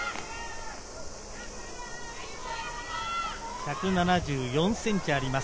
１７４ｃｍあります。